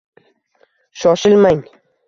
Shoshilmang.